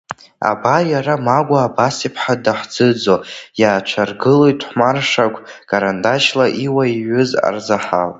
Абар иара Магәа Абас-иԥҳа дахӡыӡо иаацәырылгоит хәмаршақә карандашьла Иуа ииҩыз арзаҳал…